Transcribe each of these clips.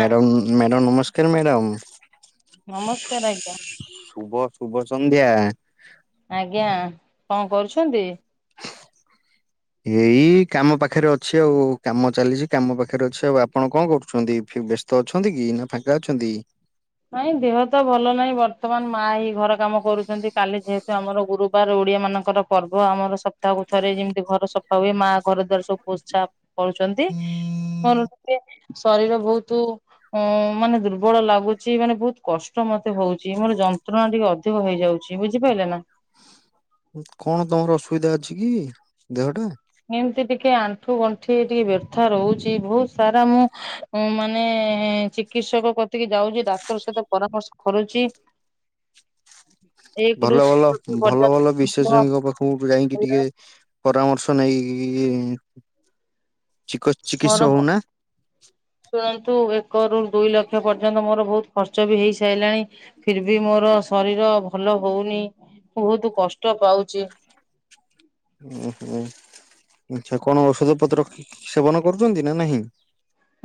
Madam madam ନମସ୍କାର madam. ନମସ୍କାର ଆଜ୍ଞା। ଶୁଭ ଶୁଭ ସନ୍ଧ୍ୟା। ଆଜ୍ଞା କଣ କରୁଛନ୍ତି? ଏଇ କାମ ପାଖରେ ଅଛି ଆଉ କାମ ଚାଲିଛି କାମ ପାଖରେ ଅଛି ଆଉ ଆପଣ କଣ କରୁଛନ୍ତି? ତ ଅଛନ୍ତି କି ନା ଫାଙ୍କା ଅଛନ୍ତି? ନାଇଁ ଦେହ ତ ଭଲ ନାହିଁ ବର୍ତ୍ତମାନ ମା ହି ଘର କାମ କରୁଛନ୍ତି। କାଲି ଯେହେତୁ ଆମର ଗୁରୁବାର ଓଡିଆ ମାନଙ୍କର ପର୍ବ ଆମର ସପ୍ତାହକୁ ଥରେ ଯେମିତି ଘର ସଫା ହୁଏ ମା ଘର ଦ୍ଵାର ସବୁ ପୋଜା କରୁଛନ୍ତି କଣ ଟେ ଶରୀର ବହୁତ ଅ ମାନେ ଦୁର୍ବଳ ଲାଗୁ ଛି ମାନେ ବହୁତ କଷ୍ଟ ମତେ ହଉଛି ମୋର ଯନ୍ତ୍ରଣା ଟିକେ ଅଧିକ ହେଇଯାଉଛି ବୁଝିପାରିଲ ନା? କଣ ତମର ଅସୁବିଧା ଅଛି କି ଦେହ ଟା? ଏମିତି ଟିକେ ଆଣ୍ଠୁ ଗଣ୍ଠି ଟିକେ ବ୍ୟର୍ଥା ରହୁଛି ବହୁତ ସାରା ମୁଁ ଉ ମାନେ ଚିକିତ୍ସକ କତିକି ଯାଉଛି ଡାକ୍ତର ସହିତ ପରାମର୍ଶ କରୁଛି। [inaudible] ଏକରୁ ଭଲ ଭଲ ଭଲ ଭଲ ବିଶେଷଜ୍ଞଙ୍କ ପାଖକୁ ଯାଇକି ଟିକେ ପରାମର୍ଶ ନେଇ ଚିକିତ୍ସା ମୋର ହଉନା। ଶୁଣନ୍ତୁ ଏକ ର ଦୁଇ ଲକ୍ଷ ପର୍ଯ୍ୟନ୍ତ ମୋର ବହୁତ ଖର୍ଚ୍ଚ ବି ହେଇ ସାରିଲାଣି ଫିର ବି ମୋର ଶରୀର ଭଲ ହଉନି। ବହୁତ କଷ୍ଟ ପାଉଛି। ଓହୋ ଆଚଛା କଣ ଔଷଧ ପତ୍ର ସେବନ କରୁଛନ୍ତି ନା ନାହିଁ?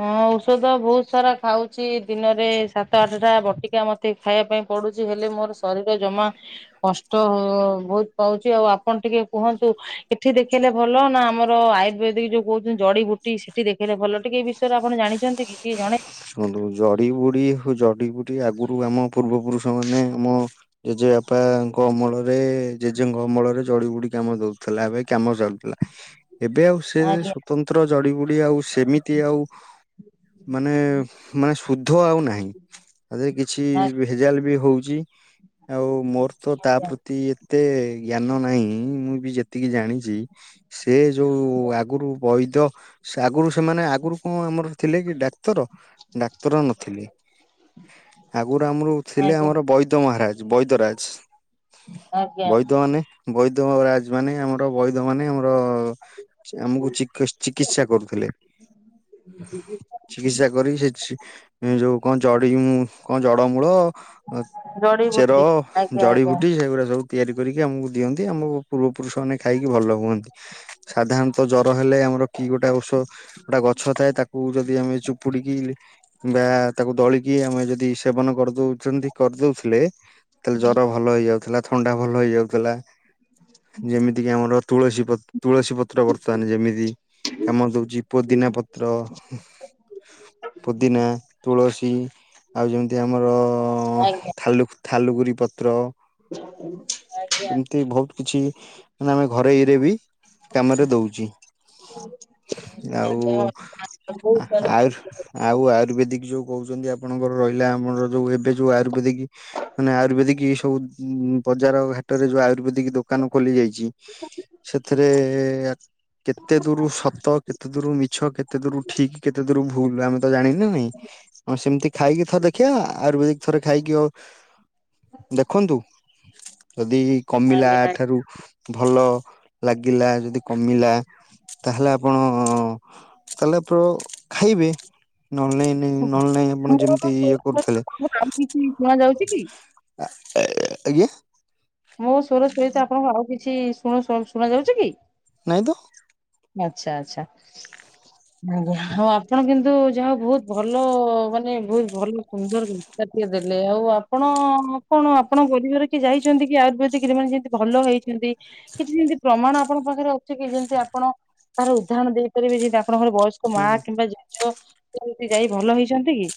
ହଁ ଔଷଧ ବହୁତ ସାରା ଖାଉଛି ଦିନରେ ସାତ ଆଠଟା ବଟିକା ମତେ ଏତେ ଖାଇବା ପାଇଁ ପଡୁଛି ହେଲେ ମୋର ଶରୀର ଜମା କଷ୍ଟ ବହୁତ ପାଉଛି ଆଉ ଆପଣ ଟିକେ କୁହନ୍ତୁ ଏଠି ଦେଖେଇଲେ ଭଲ ନା ଆମର ଆଇ ି ଯୋଉ କହୁଛନ୍ତି ଜଡି ବୁଟି ସ ସେଠି ଦେଖେଇଲେ ଭଲ ଟିକେ ବିଷୟରେ ଆପଣ ଜାଣିଛନ୍ତି କିଏ ଜଣେ? ହନ୍ତୁ ଜଡି ବୁଡି ହଉ ଜଡି ବୁଡି ଆଗରୁ ଆମ ପୂର୍ବ ପୁରୁଷ ମାନେ ଆମ ଜେଜେ ବାପାଙ୍କ ଅମଳ ଜେଜେଙ୍କମଳରେ ଚଡି ବୁଡି କାମ ଦଉଥିଲା ଏବେ କାମ ସଡୁଥିଲା ଏବେ ଆଉ ସେ ଆଜ୍ଞା ସ୍ଵତନ୍ତ୍ର ଜଡିିବୁଡି ଆଉ ସେମିତି ଆଉ ମାନେ ମାନେ ଶୁଦ୍ଧ ଆଉ ନାହିଁ ତାରେ କିଛି ଭେଜାଲ ବି ହଉଛି। ଆଉ ମୋର ତ ତା ଆଜ୍ଞା ପ୍ରତି ଏତେ ଜ୍ଞାନ ନାହିଁ। ମୁଁ ବି ଯେତିକି ଜାଣିଛି। ସେ ଯୋଉ ଆଗରୁ ବୈଦ ସେ ଆଗରୁ ସେମାନେ ଆଗରୁ ହଁ ଆମର ଥିଲେ କି ଡାକ୍ତର। ଡାକ୍ତର ନଥିଲି ଆଗରୁ ଆମର ଥିଲେ ଆଜ୍ଞା ଆମର ବୈଦ ମହାରାଜ। ବୈଦରାଜ ଆଜ୍ଞା ବୈଦ ମାନେ ବୈଧ ରାଜ ମାନେ ଆମର ବୈଧ ମାନେ ଆମର ଆମକୁ ଚିକିତ୍ସା କରୁଥିଲେ। ଚିକିତ୍ସା କରି ସେ ଯୋଉ। ଆ କଣ ଜଡି କଣ ଜଡ ମୂଳ ଚେର ଜଡିିବୁଟି ଆଜ୍ଞା ଆଜ୍ଞା ଜଡିିବୁଟି ସେଗୁଡା ସବୁ ତିଆରି କରିକି ଆମକୁ ଦିଅନ୍ତି ଆମ ପୂର୍ବ ପୁରୁଷ ମାନେ ଖାଇକି ଭଲ ହୁଅନ୍ତି। ସାଧାରଣତଃ ଜର ହେଲେ ଆମର କି ଗୋଟେ ଔଷ ଗୋଟେ ଗଛ ଥାଏ ତାକୁ ଯଦି ଆମେ ଚୁପୁଡ଼ିକି ବା ତାକୁ ଦଳିକି ଆମେ ଯଦି ସେବନ କରିଦଉଛନ୍ତି କରିଦଉଥିଲେ ତାହେଲେ ଜର ଭଲ ହେଇଯାଉଥିଲା ଥଣ୍ଡା ଭଲ ହେଇଯାଉଥିଲା ଯେମିତିକି ଆମର ତୁଳସୀ ପତ୍ର ତୁଳସୀ ପତ୍ର ବର୍ତ୍ତମାନ ଯେମିତି କାମ ଦଉଚି ପୋଦିନା ପତ୍ର ପୁଦିନା ତୁଳସୀ ଆଉ ଯେମିତି ଆମର ଆଜ୍ଞା ଥାାଲୁ ଥାଲୁଗୁରି ପତ୍ର। ଜର ହୋଉଚି। ଏମିତି ବୋହୁତ କିଛି ମାନେ ଆମେ ଘରେଇରେ ବି କାମରେ ଦୋଉଚି ଆଉ ଆଜ୍ଞା ବହୁତ ସାରା ଆୟୁ ଆଜ୍ଞା ଆଉ ଆୟୁର୍ବେଦିକି ଯୋଉ କହୁଚନ୍ତି ଆପଣଙ୍କର ରହିଲା ଆମର ଯୋଉ ଏବେ ଯୋଉ ଆୟୁର୍ବେଦିକି। ମାନେ ଆୟୁର୍ବେଦିକି ଏ ସବୁ ବଜାର ଘାଟରେ ଯୋଉ ଆୟୁର୍ବେଦିକି ଦୋକାନ ଖୋଲି ଯାଇଚି। ସେଥିରେ କେତେ ଦୂର ସତ କେତେ ଦୂର ମିଛ କେତେ ଦୂର ଠିକ୍ କେତେ ଦୂର ଭୁଲ ଆମେ ତ ଜାଣିନି ନାଇଁ ଅ ସେମିତି ଖାଇକି ଥର ଦେଖିବା ଆୟୁର୍ବେଦିକି ଥରେ ଖାଇକି ଆଉ ଦେଖନ୍ତୁ ଯଦି କମିଲା ଆଜ୍ଞା ଆଠା ରୁ ଭଲ ଲାଗିଲା ଯଦି କମିଲା ତାହେଲେ ଆପଣ ତାହେଲେ ପ୍ର ଖାଇବେ। ନ ହେଲେ ନାଇହିଁ ନି ନ ହେଲେ ନାଇ ଆପଣ ମୋର ଯେମିତି ଇଏ ସ୍ୱର କରୁଥିଲେ ଆଉ କିଛି ଶୁଣା ଯାଉଛି କି? ଆଜ୍ଞା। ମୋ ସ୍ୱର ସହିତ ଆପଣଙ୍କୁ ଆଉ କିଛି ଶୁଣ ଶୁଣା ଯାଉଛି କି? ନା ହିଇଁତ। ଆଛା ଆଛା। ହଁ ଆପଣ କିନ୍ତୁ ଯାହା ହୋଉ ବୋହୁତ ଭଲ ମାନେ ବୋହୁତ ଭଲ ସୁନ୍ଦର କିନ୍ତୁ। ତାଟିକେ ଦେଲେ ଆଉ ଆପଣ କଣ ଆପଣ ପରିବାର କିଏ ଯାଇଚନ୍ତି କି ଆୟୁର୍ବେଦିକି ମେ ଯେମିତି ଭଲ ହେଇଛନ୍ତି? କିଛି ଯେମିତି ପ୍ରମାଣ ଆପଣଙ୍କ ପାଖରେ ଅଛି କି ଯେମିତି ଆପଣ ତାର ଉଦାହରଣ ଦେଇପାରିବେ ଯେମିତି ଆପଣଙ୍କର ବୟସ୍କ ମା ନାଇଁ ନାଇଁ କିମ୍ବା ଜେଜ ସେମିତି ଯାଇ ଭଲ ହେଇଚନ୍ତି କି?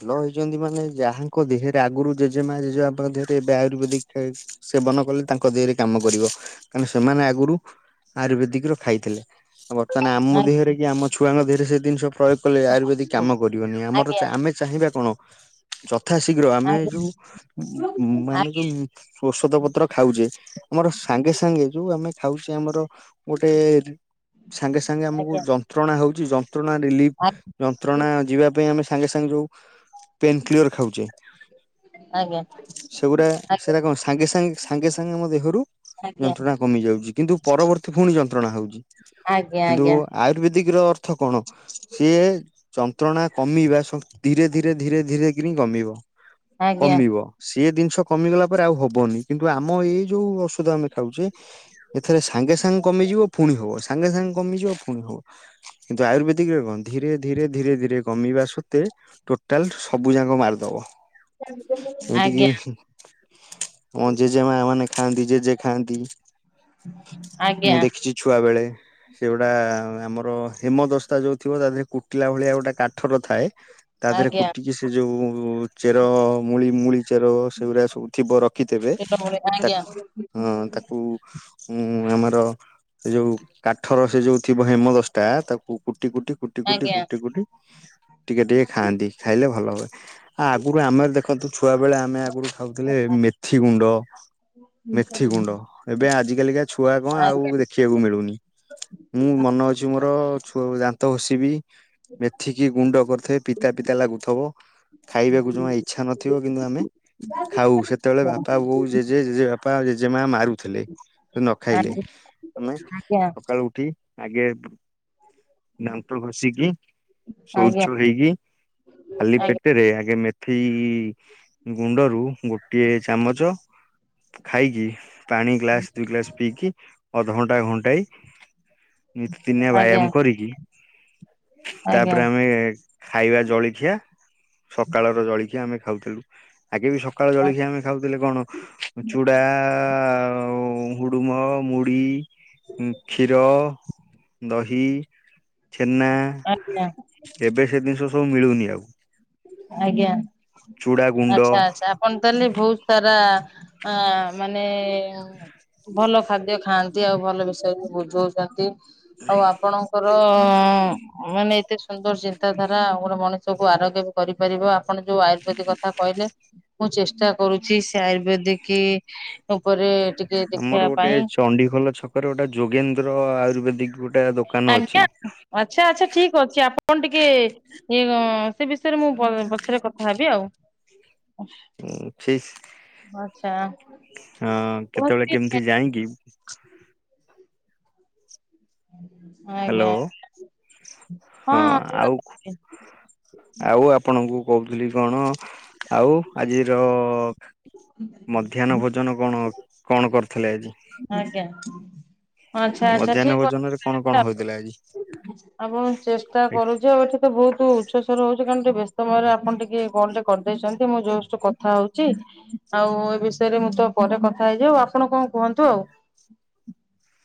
ଭଲ ହେଇଚନ୍ତି ମାନେ ଯାହାଙ୍କ ଦେହରେ ଆଗରୁ ଜେଜେମା ଜେଜେବାପଙ୍କ ଦେହରେ ଏବେ ଆୟୁର୍ବେଦିକି ଖା ସେବନ କଲେ ତାଙ୍କ ଦେହରେ କାମ କରିବ କାରଣ ସେମାନେ ଆଗରୁ ଆୟୁର୍ବେଦିକି ର ଖାଇଥିଲେ। ବର୍ତ୍ତମାନ ଆମ ଦେହରେ କି ଆମ ଛୁଆଙ୍କ ଦେହରେ ସେ ଜିନିଷ ପ୍ରୟୋଗ କଲେ ଆୟୁର୍ବେଦିକ କାମ କରିବନି ଆମର ତ ଆଜ୍ଞା ଆମେ ଚାହିଁବା କଣ ଯଥା ଶୀଘ୍ର ଆମେ ଆଜ୍ଞା ଯୋଉ ଉଁ ଆମେ ଉଁ ଯୋଉ ଔଷଧ ପତ୍ର ଖାଉଚେ ଆମର ସାଙ୍ଗେ ସାଙ୍ଗେ ଯୋଉ ଆମେ ଖାଉଚେ ଆମର ଗୋଟେ ସାଙ୍ଗେ ସାଙ୍ଗେ ଆମକୁ ଆଜ୍ଞା ଯନ୍ତ୍ରଣା ହଉଚି ଯନ୍ତ୍ରଣା ରିଲିଫ। ଯନ୍ତ୍ରଣା ଯିବା ପାଇଁ ଆମେ ସାଙ୍ଗେ ସାଙ୍ଗେ ଯୋଉ ପେନ୍ କିଲିୟର୍ ଖାଉଚେ ଆଜ୍ଞା। ସେଗୁଡା ଆଜ୍ଞା ସେରା କଣ ସାଙ୍ଗେ ସାଙ୍ଗେ ସାଙ୍ଗେ ସାଙ୍ଗେ ଆମ ଦେହରୁ ଆଜ୍ଞା। ଯନ୍ତ୍ରଣା କମି ଯାଉଚି କିନ୍ତୁ ପରବର୍ତ୍ତୀ ପୁଣି ଯନ୍ତ୍ରଣା ହୋଉଚି ଆଜ୍ଞା କିନ୍ତୁ ଆଜ୍ଞା ଆୟୁର୍ବେଦିକି ର ଅର୍ଥ ଥ କଣ ସିଏ ଯନ୍ତ୍ରଣା କମିବା ସ ଧୀରେ ଧୀରେ ଧୀରେ ଧୀରେ କି କମିବ ଆଜ୍ଞା କମିବ। ସିଏ ଜିନିଷ କମିଗଲା ପରେ ଆଉ ହବନି କିନ୍ତୁ ଆମ ଏଇ ଯୋଉ ଔଷଧ ଆମେ ଖାଉଚେ ଏଥରେ ସାଙ୍ଗେ ସାଙ୍ଗେ କମିଯିବ ପୁଣି ହବ ସେ। ସାଙ୍ଗେ ସାଙ୍ଗେ କମିଯିବ ପୁଣି ହବ କିନ୍ତୁ ଆୟୁର୍ବେଦିକି ରେ କଣ ଧୀରେ ଧୀରେ ଧୀରେ ଧୀରେ କମିବା ସତ ମତେ ଟୋଟାଲ୍ ସବୁ ଯାକ ମାରିଦବ। ଆଜ୍ଞା। ମୋ ଜେଜେମା ମାନେ ଖାଆନ୍ତି ଜେଜେ ଖାଆନ୍ତି। ଆଜ୍ଞା ମୁଁ ଦେଖିଛି ଛୁଆ ବେଳେ ସେଗୁଡା ଆମର। ହେମଦସ୍ତା ଯୋଉଥିବ ତା ଦେହରେ କୁଟିଲା ଭଳିଆ ଗୋଟା କାଠର ଥାଏ। ତା ଦେହରେ ଆଜ୍ଞା କୁଟିକି ସେ ଯୋଉ ଚେର ମୂଳି ମୂଳି। ଚେର ସେଗୁରା ସବୁ ଥିବ ରଖିଥେବେ ବିଲମୂଳେ ଆଜ୍ଞା ତାକୁ ହଁ ତାକୁ। ଉଁ ଆମର ସେ ଯୋଉ କାଠର ସେ ଯୋଉ ଥିବ ହେମଦସ୍ତା ତାକୁ କୁଟି କୁଟି। କୁଟି କୁଟି ଆଜ୍ଞା କୁଟି କୁଟି। ଟିକେ ଟିକେ ଖାଆନ୍ତି ଖାଇଲେ ଭଲ ହୁଏ ଆଉ ଆଗରୁ ଆମେ ଦେଖନ୍ତୁ ଛୁଆବେଳେ ଆମେ ଆଗରୁ। ଖାଉଥିଲେ ମେଥି ଗୁଣ୍ଡ। ମେଥି ଗୁଣ୍ଡ ଏବେ ଆଜି କାଲିକା ଛୁଆ କଁ ଆଉ ଆଜ୍ଞା ଦେଖିବାକୁ ମିଳୁନି। ମୁଁ ମନ ଅଛି ମୋର ଛୁ ଦାନ୍ତ ହଷିବି ମେଥିକି ଗୁଣ୍ଡ କର ରି ଥାଏ ପିତା ପିତା ଲାଗୁଥବ ଖାଇବାକୁ ଜମା ଇଚ୍ଛା ନଥିବ କିନ୍ତୁ ଆମେ। ଖାଉ ସେତେବେଳେ ବାପା ବୋଉ ଜେଜେ ଜେଜେ ବାପା ଜେଜେ ମା ମାରୁଥିଲେ। ସେ ନ ଖାଇଲେ ଆମେ ଆଜ୍ଞା ସକାଳୁ ଉଠି ଆଗେ। ଦାନ୍ତ ଘଷିକି ଆଜ୍ଞା ଶୌଚ ହେଇକି ଖାଲି ଆଜ୍ଞା ପେ ଟେରେ ଆଗେ ମେଥି ଗୁଣ୍ଡରୁ ଗୋଟିଏ ଚାମଚ। ଖାଇକି ପାଣି ଗ୍ଲାସ ଦୁଇ ଗ୍ଲାସ ପିଇକି ଅଧଘଣ୍ଟା ଘଣ୍ଟାଏ। ନିତି ଦିନିଆ ଆଜ୍ଞା ବ୍ୟାୟାମ କରିକି। ଆଜ୍ଞା ତାପରେ ଆମେ ଖାଇବା ଜଳଖିଆ ସକାଳର ଜଳଖିଆ ଆମେ। ଖାଉଥିଲୁ। ଆଗେ ବି ସକାଳ ଜଳଖିଆ ଆମେ ଖାଉଥିଲେ କଣ ଚୁଡ଼ା ଆଉ। ହୁଡ଼ୁମ ମୁଢ଼ି କ୍ଷୀର ଦହି। ଛେନା। ଆଜ୍ଞା। ଏବେ ସେ ଜିନିଷ ସବୁ ମିଳୁନି ଆଉ। ଆଜ୍ଞା ଚୁଡ଼ା ଗୁଣ୍ଡ ଆଛା ଆଚ୍ଛା। କଣ ତା ଲି ବହୁତ ସାରା ଆ ମାନେ। ଭଲ ଖାଦ୍ୟ ଖାଆନ୍ତି ଆଉ ଭଲ ବିଷୟରେ ବୁଝଉଛନ୍ତି ଆଉ ଆପଣ। ଙ୍କର ମାନେ ଏତେ ସୁନ୍ଦର ଚିନ୍ତାଧାରା ଗୋଟେ ମଣିଷକୁୁ ଆରୋଗ୍ୟ। କରିପାରିବ ଆପଣ ଯୋଉ ଆୟୁର୍ବେଦିକ କଥା କହିଲେ। ମୁଁ ଚେଷ୍ଟା କରୁଛି ସେ ଆୟୁର୍ବେଦିକ ଉପରେ। ଟିକେ ଆମର ଦେଖିବା ଗୋଟେ ପାଇଁ ଚଣ୍ଡିଖୋଲ ଛକରେ ଗୋଟେ ଯୋଗେନ୍ଦ୍ର ଆୟୁର୍ବେଦିକ ଗୋଟେ ଦୋ ଆଜ୍ଞା ଆଚ୍ଛା ଆଚ୍ଛା ଠିକ ଅଛି ଆପଣ ଟିକେ। ଇଏ କଁ ସେ ବିଷୟରେ ମୁଁ ପ ପଛରେ କଥା ହେବି ଆଉ। ଉଁ ଫିସ। ଆଚ୍ଛା। ହଁ କେତେବେଳେ କୌଣସି କେମିତି ଯାଇଁ କି। ହାଲୋ ଆଜ୍ଞା ହଁ ଆଉ କୁ ଆଉ ଆପଣଙ୍କୁ କହୁଥିଲି କଣ ଆଉ ଆଜିର। ମଧ୍ୟାହ୍ନ ଭୋଜନ କଣ କଣ କରିଥିଲେ ଆଜି। ଆଜ୍ଞା। ଆଚ୍ଛା ଆଚ୍ଛା ମଧ୍ୟାହ୍ନ ଠିକ୍ ଭୋଜନ ରେ କଣ କଣ ହୋଈଥିଲା ଆଜି। ଆପଣ ଚେଷ୍ଟା କରୁଛ ଏଠି। ଏତ ବହୁତ ଉଚ ସ୍ବର ହଉଛି କାରଣ ଟିକେ ବ୍ୟସ୍ତ ମୟରେ ଆପଣ ଟିକେ କଲ୍ ଟେ କରିଦେଇଛନ୍ତି ମୁଁ ଯଷ୍ଟ କଥା ହଉଛି। ଆଉ ଏ ବିଷୟରେ ମୁଁ ତ ପରେ କଥା ହେଇଯିବ ଆଉ ଆପଣ କଣ କୁହନ୍ତୁ ଆଉ।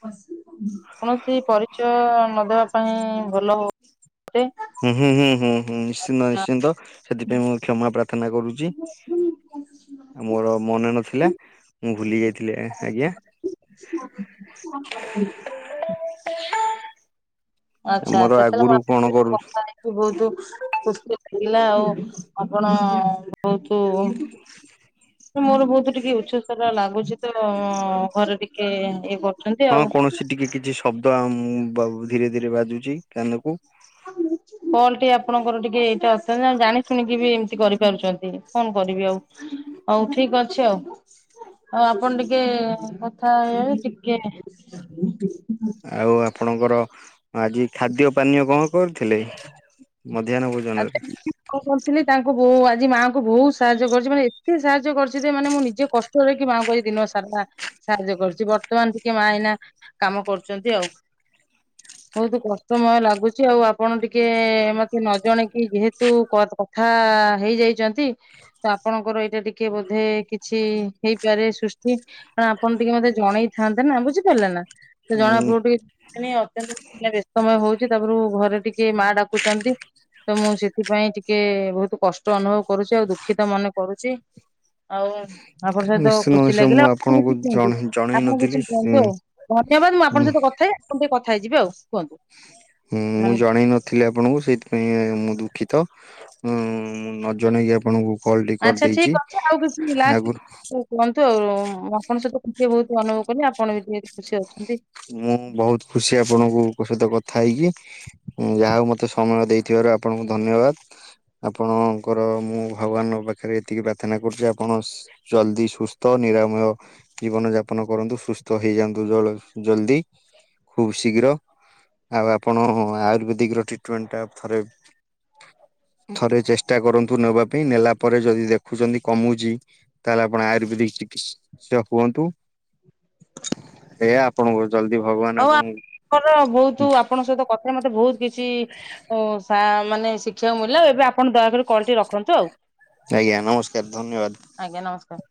କୌଣସି ପରିଚୟ ନଦବା ପାଇଁ ଭଲ ହ [unintelligible] ହୁଁ ହୁଁ ହୁଁ ହୁଁ ହୁଁ ନିଶ୍ଚିନ୍ତ ନିଶ୍ଚିନ୍ତ ସେଥିପାଇଁ ମୁଁ କ୍ଷମା ପ୍ରା ପ୍ରାର୍ଥନା କରୁଛି ଆ ମୋର ମନେ ନଥିଲା। ମୁଁ ଭୁଲି ଯାଇଥିଲି ଆଜ୍ଞା। [unintelligible] ଆଚ୍ଛା ଆମର ଆଚ୍ଛା ତାହେଲେ ଆଗରୁ ମୁ କଣ କରୁ କଥା ହେଇକି ବହୁତ [unintelligible] ଖୁସି ଲାଗିଲା ଆଉ ଆପଣ ବହୁତ ମୋର ବହୁତ ଟିକେ ଉଚସ୍ତର ଲାଗୁଛି ତ ଘରେ ଟିକେ ଏ ହଁ କୌଣସି ଟିକେ କିଛି ଶବ୍ଦ ମୁ ବା ଧୀରେ ଧୀରେ ବାଜୁଚି କାନକୁ। ଆ କଲ ଟି ଆପଣଙ୍କର ଟିକେ ଏଇ ଅଛନ୍ତି ଜାଣି ଶୁଣିକି ବି ଏମିତି କରିପାରୁଛନ୍ତି ଫୋନ କରିବି ଆଉ ହଉ ଠିକ ଅଛି ଆଉ। ଆଉ ଆପଣ ଟିକେ କଥା ହେଇବେ ଟିକେ ଆଉ ଆପଣଙ୍କର ଆଜି ଖାଦ୍ୟ ପାନୀୟ କଣ? କରିଥିଲେ ମଧ୍ୟାହ୍ନ ଭୋଜନରେ। କଣ କରିଥିଲି ତାଙ୍କୁ ବୋ ଆଜି ମାଆଙ୍କୁ ବହୁତ ସାହାଯ୍ୟ କରିଛି ମାନେ ଏତେ ସାହାଯ୍ୟ କରିୁଛି ଯେ ମାନେ ମୁଁ ନିଜେ କଷ୍ଟ ମାଆଙ୍କୁ ଆଜି ଦିନ ସାରା ସାହାଯ୍ୟ କରୁଛି ବର୍ତ୍ତମାନ ଟିକେ ମା ଏଇନା କାମ କରୁଛନ୍ତି ଆଉ ବହୁତ କଷ୍ଟମୟ ଲାଗୁଛି ଆଉ ଆପଣ ଟିକେ ମତେ ନ ଜଣେଇକି ଯେହେତୁ କଥା ହେଇ ଯାଇଛନ୍ତି ତ ଆପଣଙ୍କର ଏଇଟା ଟିକେ ବୋଧେ କିଛି ହେଇପାରେ ସୃଷ୍ଟି। ଆପଣ ଟିକେ ମତେ ଜଣେଇଥାନ୍ତେ ନା ବୁଝିପାରିଲେ ନା? ସେ ଜଣା ଉଁ ପଡୁ ଟିକେ ଅତ୍ୟନ୍ତ ବ୍ୟସ୍ତ ସମୟ ହଉଛି ତାପରେ ଘରେ ଟିକ କିଏ ମା ଡାକୁଛନ୍ତି। ତ ମୁଁ ସେଥିପାଇଁ ଟିକେ ବହୁତ କଷ୍ଟ ଅନୁଭବ କରୁଛି ଆଉ ଦୁଃଖିତ ମନେ କରୁଛି। ଆଉ ଆପଣ ସହିତ ନିଶ୍ଚିନ୍ତ ଖୁସି ନିଶ୍ଚୟ ମୁଁ ଲାଗିଲା ଆ ଆପଣଙ୍କୁ କିଛି କିନ୍ତୁ ଜଣେ ଜଣେଇ ଆପଣ ନଥିଲି କିଛି ଉଁ କିଅନ୍ତୁ ଆଉ। ଧନ୍ୟବାଦ ମୁଁ ଆପଣଙ୍କ ସହିତ କଥା ହେ ଆପଣ ଟିକେ କଥା ହେଇଯିବି ଆଉ କୁହନ୍ତୁ। ହୁଁ ମୁଁ ଜଣେଇ ନଥି ଆପଣଙ୍କୁ ସେଇଥିପାଇଁ ମୁଁ ଦୁଃଖିତ ମୁଁ ନ ଜଣାଇକି ଆପଣଙ୍କୁ କଲଟି ଆଚ୍ଛା ଠିକ କରିଦେଇଛି ଅଛି ଆଉ କିଛି ଲାଷ୍ଟ ଆଗରୁ କୁହନ୍ତୁ ଆଉ ମୁଁ ଆପଣଙ୍କ ସହିତ ଟିକେ ବହୁତ ଅନୁଭବ କଲି ଆପଣ ବି ଟିକେ ଖୁସି ଅଛନ୍ତି ମୁଁ ବହୁତ ଖୁସି ଆପଣଙ୍କୁଙ୍କ ସହିତ କଥା ହେଇକି। ଯାହା ହୋଉ ମତେ ସମୟ ଦେଇଥିବାରୁ ଆପଣଙ୍କୁ ଧନ୍ୟବାଦ। ଆପଣଙ୍କର ମୁଁ ଭଗବାନଙ୍କ ପାଖରେ ଏତିକି ପ୍ରାର୍ଥନା କରୁଛି ଆପଣ ଜଲଦି ସୁସ୍ଥ ନିରାମୟ ଜୀବନ ଯାପନ କରନ୍ତୁ ସୁସ୍ଥ ହେଇଯାଆନ୍ତୁ ଜଳ ଜଲ୍ଦି ଖୁବ ଶୀଘ୍ର ଆଉ ଆପଣ ଆୟୁର୍ବେଦିକର ଟ୍ରିଟମେଣ୍ଟଟା ଥରେ ଥରେ ଚେଷ୍ଟା କରନ୍ତୁ ନେବା ପାଇଁ ନେଲା ପରେ ଯଦି ଦେଖୁଛନ୍ତି କମୁଛି ତାହେଲେ ଆପଣ ଆୟୁର୍ବେଦିକ ଚିକିତ୍ସା ହୁଅନ୍ତୁ ଏ ଆପଣଙ୍କ ଜଲଦି ଭଗବାନ ଆଉ ଆପଣଙ୍କୁ ଆପଣଙ୍କର ବହୁତ ଆପଣଙ୍କ ସହିତ କଥା ରେ ମତେ ବହୁତ କିଛି ମାନେ ଶିଖିବାକୁ ମିଳିଲା ଏବେ ଆପଣ ଦୟାକରି କଲଟି ରଖନ୍ତୁ ଆଉ। ଆଜ୍ଞା ନମସ୍କାର ଧନ୍ୟବାଦ। ଆଜ୍ଞା ନମସ୍କାର।